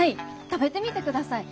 食べてみてください。